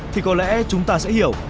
thì có lẽ chúng ta sẽ hiểu